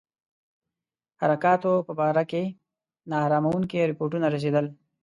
حرکاتو په باره کې نا اراموونکي رپوټونه رسېدل.